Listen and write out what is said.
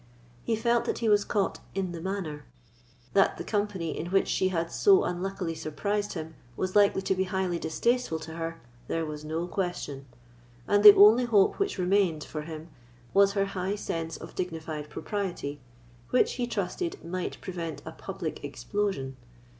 He felt that he was caught "in the manner." That the company in which she had so unluckily surprised him was likely to be highly distasteful to her, there was no question; and the only hope which remained for him was her high sense of dignified propriety, which, he trusted, might prevent a public explosion.